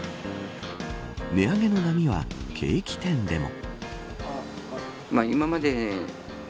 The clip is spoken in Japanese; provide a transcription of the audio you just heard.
値上げの波はケーキ店でも。